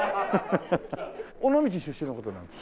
尾道出身の方なんですか？